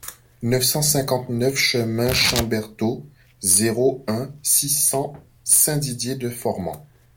neuf cent cinquante-neuf chemin Chamberthaud, zéro un, six cents, Saint-Didier-de-Formans